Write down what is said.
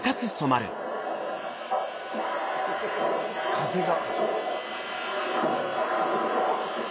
風が。